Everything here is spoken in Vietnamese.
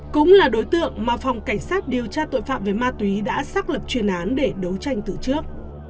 cũng là đối tượng mà phòng cảnh sát điều tra tội phạm về ma túy đã xác lập chuyên án để đấu tranh từ trước